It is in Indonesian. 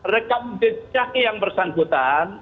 rekam jejak yang bersangkutan